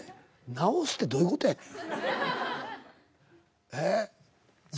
なおすってどういうことやねん。